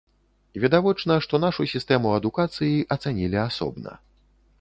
Відавочна, што нашу сістэму адукацыі ацанілі асобна.